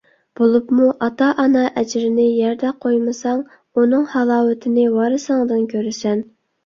بولۇپمۇ ئاتا-ئانا ئەجرىنى يەردە قويمىساڭ، ئۇنىڭ ھالاۋىتىنى ۋارىسىڭدىن كۆرىسەن.